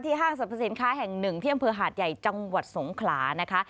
ห้างสรรพสินค้าแห่งหนึ่งที่อำเภอหาดใหญ่จังหวัดสงขลานะคะ